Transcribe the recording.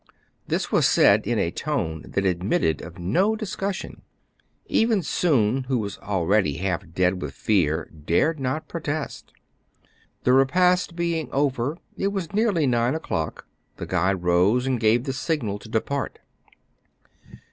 This was said in a tone that admitted of no dis cussion. Even Soun, who was already half dead with fear, dared not protest. The repast being over, — it was nearly nine o'clock, — the guide rose, and gave the signal to depart.